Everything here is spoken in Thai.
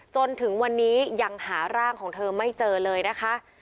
จนถึงวันนี้ยังหาร่างของเธอไม่เจอเลยนะคะ